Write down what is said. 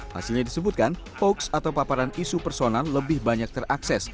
hasilnya disebutkan hoax atau paparan isu personal lebih banyak terakses